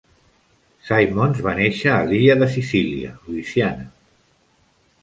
Simmons va néixer a l'illa de Sicília, Louisiana.